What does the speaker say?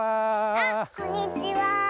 あっこんにちは。